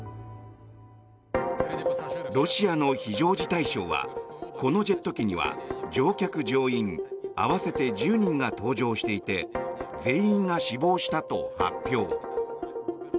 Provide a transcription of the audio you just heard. ロシアの非常事態省はこのジェット機には乗客・乗員合わせて１０人が搭乗していて全員が死亡したと発表。